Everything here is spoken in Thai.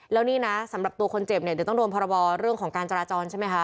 แล้วนี่นะสำหรับตัวคนเจ็บเนี่ยเดี๋ยวต้องโดนพรบเรื่องของการจราจรใช่ไหมคะ